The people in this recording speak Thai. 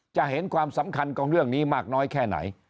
จะเห็นความสำคัญของเรื่องนี้มากน้อยแค่ไหน